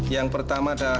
yang pertama adalah